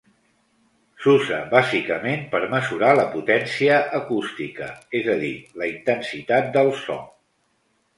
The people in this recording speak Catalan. S'usa bàsicament per mesurar la potència acústica, és a dir, la intensitat del so.